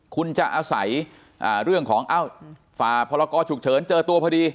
คุณจะอาศัยเรื่องของฝ่าพรกรฉุกเฉินเจอตัวพอดี